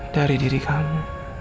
dari diri kamu